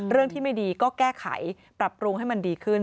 เรื่องที่ไม่ดีก็แก้ไขปรับปรุงให้มันดีขึ้น